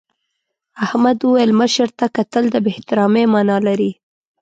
احمد وویل مشر ته کتل د بې احترامۍ مانا لري.